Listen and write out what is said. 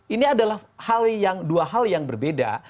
ini adalah dua hal yang berbeda